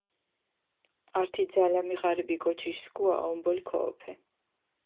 ართი ძალამი ღარიბი კოჩიში სქუა ომბოლი ქოჸოფე.